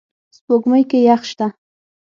سپوږمۍ کې یخ شته